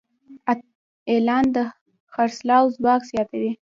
اعلان د خرڅلاو ځواک زیاتوي.